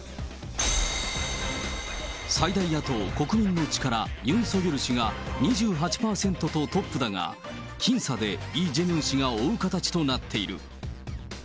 最大野党・国民の力、ユン・ソギョル氏が、２８％とトップだが、僅差でイ・ジェミョン氏が追う形となっている。